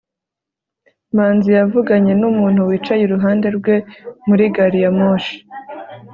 manzi yavuganye numuntu wicaye iruhande rwe muri gari ya moshi